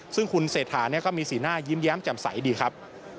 ซึ่งคุณเศรษฐาก็มีสีหน้ายิ้มแย้มแจ่มใสดีครับ